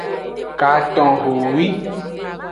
Katonhowi.